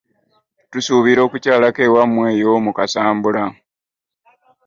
Tusuubira okukyalako ewammwe eyo mu Kasambula.